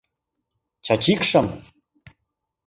Чачикшым!..